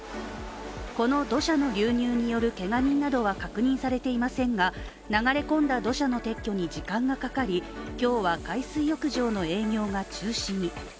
この土砂の流入によるけが人などは確認されていませんが流れ込んだ土砂の撤去に時間がかかり、今日は海水浴場の営業が中止に。